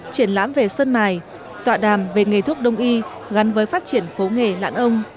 triển lãm về sơn mài tọa đàm về nghề thuốc đông y gắn với phát triển phố nghề lãn ông